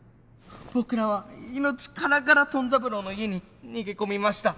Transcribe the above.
僕らは命からがらトン三郎の家に逃げ込みました。